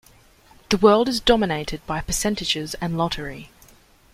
The world is dominated by percentages and lottery.